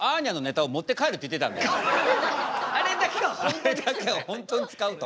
あれだけは本当に使うと。